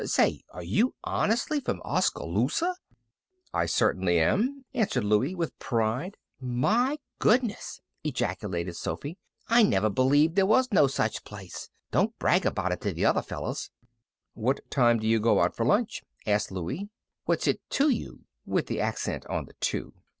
Say, are you honestly from Oskaloosa?" "I certainly am," answered Louie, with pride. "My goodness!" ejaculated Sophy. "I never believed there was no such place. Don't brag about it to the other fellows." "What time do you go out for lunch?" asked Louie. "What's it to you?" with the accent on the "to."